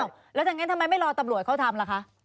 อ้าวและที่นั้นทำไมไม่รอตำรวจเขาทำละคะ